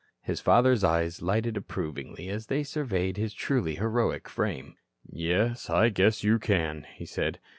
His father's eyes lighted approvingly as they surveyed his truly heroic frame. "Yes, I guess you can," he said.